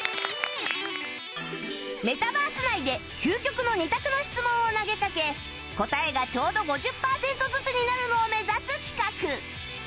メタバース内で究極の２択の質問を投げかけ答えがちょうど５０パーセントずつになるのを目指す企画